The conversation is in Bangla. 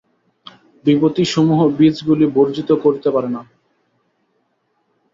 বিভূতিসমূহ বীজগুলি ভর্জিত করিতে পারে না।